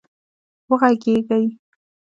وږغېږئ